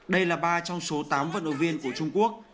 đây là ba trong số tám vận động viên của trung quốc